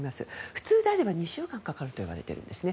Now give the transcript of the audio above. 普通は２週間かかるといわれているんですね。